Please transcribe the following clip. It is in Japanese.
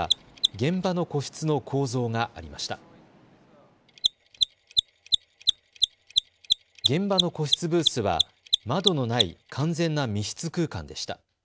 現場の個室ブースは窓のない完全な密室空間でした。